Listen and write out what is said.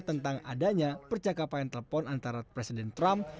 tentang adanya percakapan telepon antara presiden trump